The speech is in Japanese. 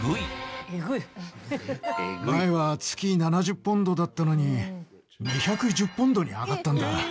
前は月７０ポンドだったのに２１０ポンドに上がったんだ。